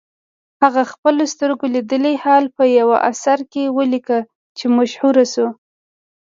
هغه خپل سترګو لیدلی حال په یوه اثر کې ولیکه چې مشهور شو.